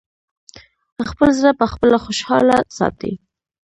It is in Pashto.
خپل زړه پخپله خوشاله ساتی!